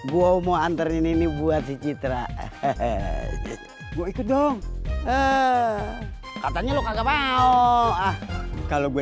gua mau anterin ini buat si citra hehehe gue itu dong katanya lu kagak mau ah kalau gue